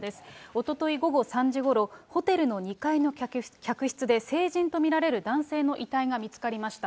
おととい午後３時ごろ、ホテルの２階の客室で、成人と見られる男性の遺体が見つかりました。